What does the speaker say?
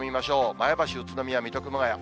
前橋、宇都宮、水戸、熊谷。